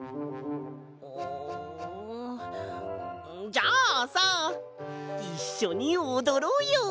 じゃあさいっしょにおどろうよ！